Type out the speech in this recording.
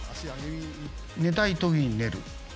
寝たいときに寝る。